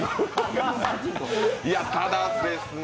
ただですね